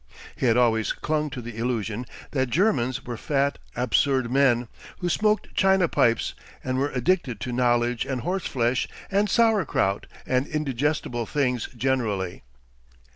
He had always clung to the illusion that Germans were fat, absurd men, who smoked china pipes, and were addicted to knowledge and horseflesh and sauerkraut and indigestible things generally.